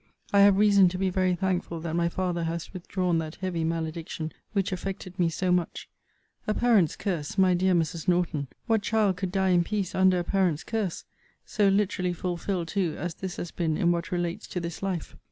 I have reason to be very thankful that my father has withdrawn that heavy malediction, which affected me so much A parent's curse, my dear Mrs. Norton! What child could die in peace under a parent's curse? so literally fulfilled too as this has been in what relates to this life!